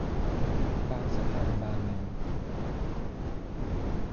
บางสะพานบาร์มิล